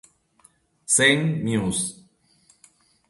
St. Mus.